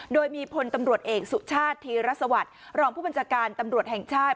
โดยมีพลตำรวจเอกสุชาติธีรสวัสดิ์รองผู้บัญชาการตำรวจแห่งชาติ